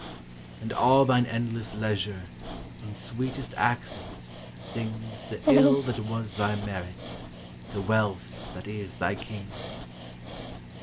And all thine endless leisure, In sweetest accents, sings The ill that was thy merit. The wealth that is thy King's!